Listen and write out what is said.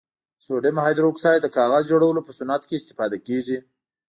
سوډیم هایدروکسایډ د کاغذ جوړولو په صنعت کې استفاده کیږي.